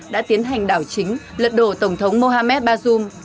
đã tiến hành đảo chính lật đổ tổng thống mohamed bazoum